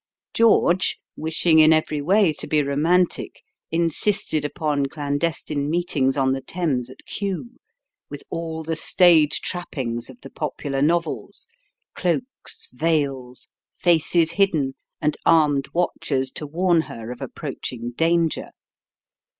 George, wishing in every way to be "romantic," insisted upon clandestine meetings on the Thames at Kew, with all the stage trappings of the popular novels cloaks, veils, faces hidden, and armed watchers to warn her of approaching danger.